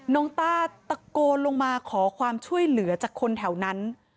ต้าตะโกนลงมาขอความช่วยเหลือจากคนแถวนั้น